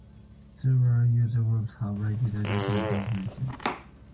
Several user groups have rated the game positively.